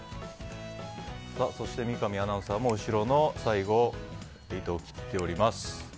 三上アナウンサーも最後、後ろの糸を切っております。